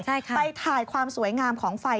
ไปถ่ายความสวยงามของไฟ